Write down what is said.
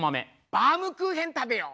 バウムクーヘン食べよう。